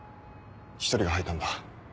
１人が吐いたんだ。